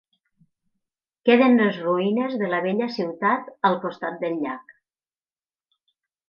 Queden les ruïnes de la vella ciutat al costat del llac.